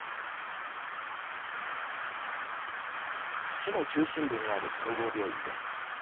市の中心部にある総合病院です。